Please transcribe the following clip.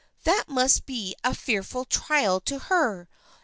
'That must be a fearful trial to her.